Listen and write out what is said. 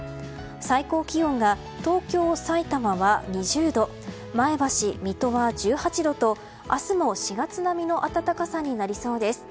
最高気温が東京、さいたまは２０度前橋、水戸は１８度と明日も４月並みの暖かさになりそうです。